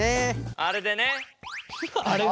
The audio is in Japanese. あれでね。